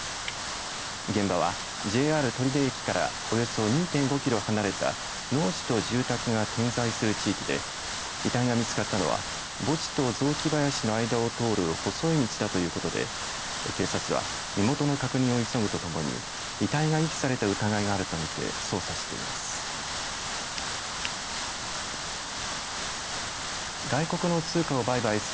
現場は、ＪＲ取手駅からおよそ２．５キロ離れた農地と住宅が点在する地域で遺体が見つかったのは墓地と雑木林の間を通る細い道だということで警察は身元の確認を急ぐとともに遺体が遺棄された疑いがあるとみて捜査しています。